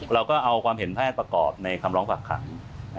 เราก็เอาความเห็นแพทย์ประกอบในคำร้องฝากขัง